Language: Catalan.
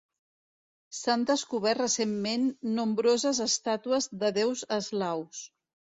S'han descobert recentment nombroses estàtues de déus eslaus.